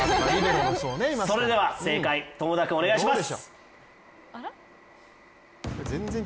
それでは正解、友田君お願いします。